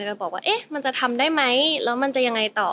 ก็บอกว่าเอ๊ะมันจะทำได้ไหมแล้วมันจะยังไงต่อ